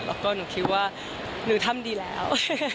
แล้วก็หนูคิดว่าหนูทำดีแล้ว